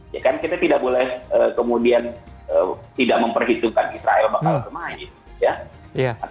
ya kan kita tidak boleh kemudian tidak memperhitungkan israel bakal ke main ya